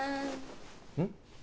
うん？